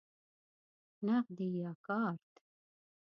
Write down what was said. نغدی یا کارت؟